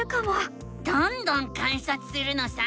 どんどん観察するのさ！